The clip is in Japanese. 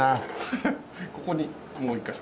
ここにもう１カ所。